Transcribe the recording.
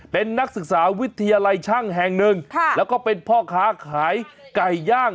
เป็นนักศึกษาวิทยาลัยช่างแห่งหนึ่งแล้วก็เป็นพ่อค้าขายไก่ย่าง